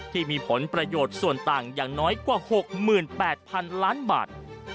ที่มีผลประโยชน์ส่วนต่างอย่างน้อยกว่า๖๘๐๐๐ล้านบาท